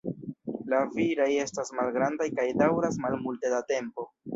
La viraj estas malgrandaj kaj daŭras malmulte da tempo.